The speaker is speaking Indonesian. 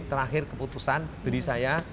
dan akhirnya keputusan dari saya